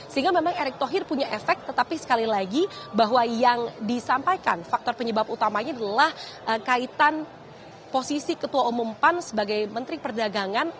sehingga memang erick thohir punya efek tetapi sekali lagi bahwa yang disampaikan faktor penyebab utamanya adalah kaitan posisi ketua umum pan sebagai menteri perdagangan